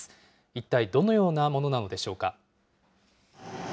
一体どのようなものなのでしょうか。